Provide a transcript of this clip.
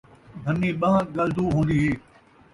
بھنی ٻان٘ھ ڳل دو ہون٘دی اے